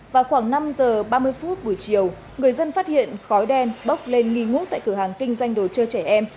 vào khoảng năm giờ ba mươi phút buổi chiều người dân phát hiện khói đen bốc lên nghi ngút tại cửa hàng kinh doanh đồ chơi trẻ em